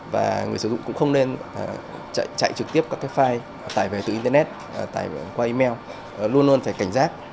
và người sử dụng cũng không nên chạy trực tiếp các cái file tải về từ internet tải qua email